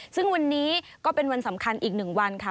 ซึ่งวันนี้ก็เป็นวันสำคัญอีก๑วันค่ะ